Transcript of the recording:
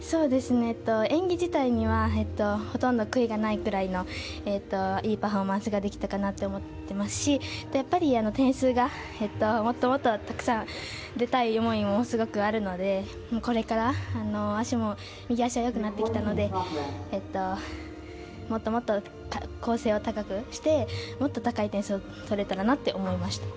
演技自体にはほとんど悔いがないくらいのいいパフォーマンスができたかなと思ってますしやっぱり点数がもっともっとたくさん出たい思いもすごくあるので、これから右足もよくなってきたのでもっともっと構成を高くしてもっと高い点数を取れたらなって思いました。